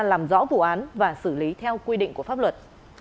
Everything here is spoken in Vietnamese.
làm rõ vụ án và xử lý theo quy định của pháp luật